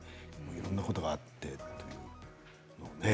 いろんなことがあってね。